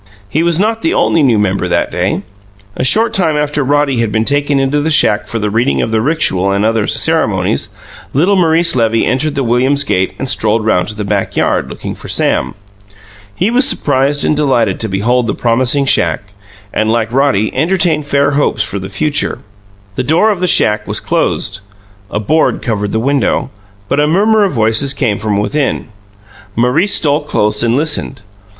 He was not the only new member that day. A short time after Roddy had been taken into the shack for the reading of the rixual and other ceremonies, little Maurice Levy entered the Williams' gate and strolled round to the backyard, looking for Sam. He was surprised and delighted to behold the promising shack, and, like Roddy, entertained fair hopes for the future. The door of the shack was closed; a board covered the window, but a murmur of voices came from within. Maurice stole close and listened.